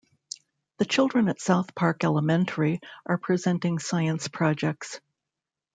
The children at South Park Elementary are presenting science projects.